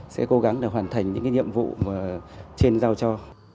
sẽ cố gắng để hoàn thành những nhiệm vụ mà trên giao cho